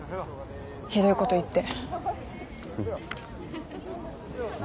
ひどいこと言って。